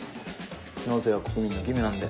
納税は国民の義務なんで。